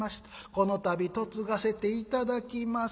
この度嫁がせていただきます』